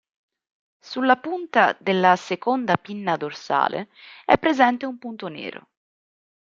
Sulla punta della seconda pinna dorsale è presente un punto nero.